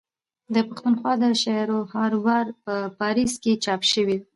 د پښتونخوا دشعرهاروبهار په پاريس کي چاپ سوې ده.